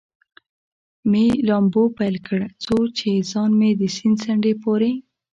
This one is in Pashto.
مې لامبو پیل کړ، څو چې ځان مې د سیند څنډې پورې.